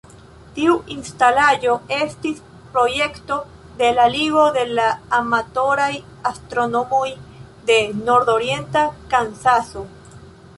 Tiu instalaĵo estis projekto de la Ligo de la Amatoraj Astronomoj de Nord-Orienta Kansaso.